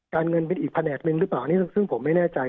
การเงินเป็นอีกแผนกหนึ่งหรือเปล่านี่ซึ่งผมไม่แน่ใจ